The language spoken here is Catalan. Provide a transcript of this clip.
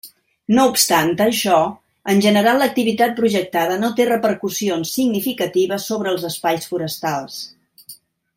No obstant això, en general l'activitat projectada no té repercussions significatives sobre els espais forestals.